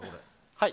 はい。